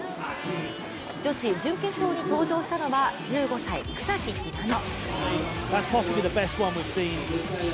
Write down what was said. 女子準決勝に登場したのは１５歳・草木ひなの。